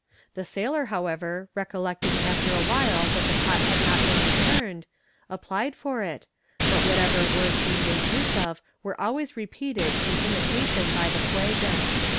The sailor, however, recollecting after awhile that the pot had not been returned, applied for it, but whatever words he made use of were always repeated in imitation by the Fuegan.